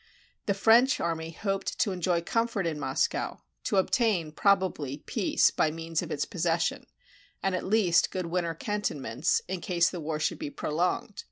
... The French army hoped to enjoy comfort in Moscow, to obtain, probably, peace by means of its possession, and at least good winter cantonments, in case the war should be prolonged.